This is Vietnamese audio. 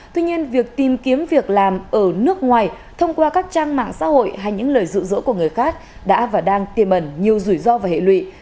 tuy nhiên việc tìm kiếm việc làm ở nước ngoài thông qua các trang mạng xã hội hay những lời rụ rỗ của người khác đã và đang tiềm ẩn nhiều rủi ro và hệ lụy